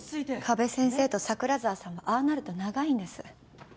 加部先生と桜沢さんはああなると長いんです。